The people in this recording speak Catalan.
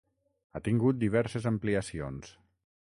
Ha tingut diverses ampliacions: